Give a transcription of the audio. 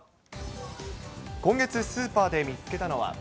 今月、スーパーで見つけたのは。